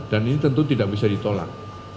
dan ini tentu tidak bisa ditolak